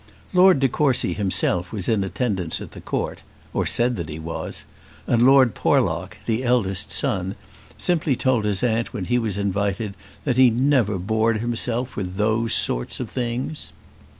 Lord de Courcy himself was in attendance at the Court or said that he was and Lord Porlock, the eldest son, simply told his aunt when he was invited that he never bored himself with those sort of things.